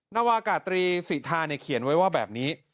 นวากตรีศิษฐาเนี่ยเขียนไว้ว่าแบบนี้